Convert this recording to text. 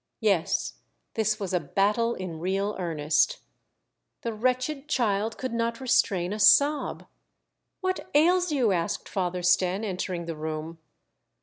Yes, this was a battle in real earnest. The wretched child could not restrain a sob. " What ails you ?" asked Father Stenne, entering the room.